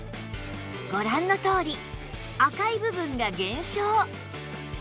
ご覧のとおり赤い部分が減少